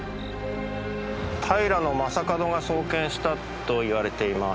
平将門が創建したといわれています。